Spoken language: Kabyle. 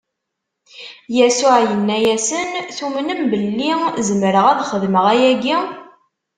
Yasuɛ inna-asen:Tumnem belli zemreɣ ad xedmeɣ ayagi?